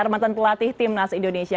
pemantan pelatih timnas indonesia